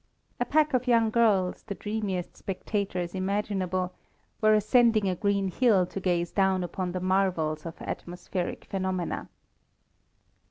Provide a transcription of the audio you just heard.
A pack of young girls, the dreamiest spectators imaginable, were ascending a green hill to gaze down upon the marvels of atmospheric phenomena.